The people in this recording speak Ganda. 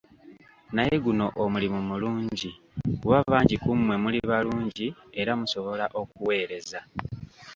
Naye guno omulimu mulungi kuba bangi ku mmwe muli balungi era musobola okuweereza.